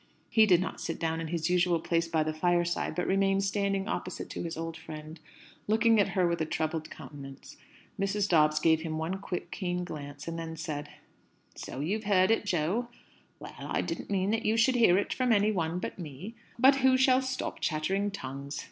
He did not sit down in his usual place by the fireside, but remained standing opposite to his old friend, looking at her with a troubled countenance. Mrs. Dobbs gave him one quick, keen glance, and then said "So you've heard it, Jo? Well, I didn't mean that you should hear it from any one but me. But who shall stop chattering tongues?